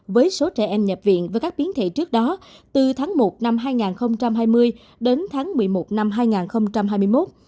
với số trẻ em nhập viện với các biến thể trước đó từ tháng một năm hai nghìn hai mươi đến tháng một mươi một năm hai nghìn hai mươi một